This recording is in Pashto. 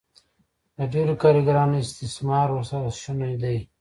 د ډېرو کارګرانو استثمار ورسره شونی دی